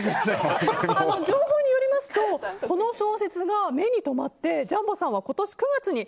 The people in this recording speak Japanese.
情報によりますと、この小説が目に留まってジャンボさんは今年９月に